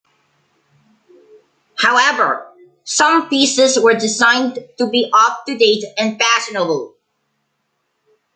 However, some pieces were designed to be up to date and fashionable.